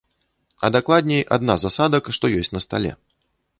А дакладней, адна з асадак, што ёсць на стале.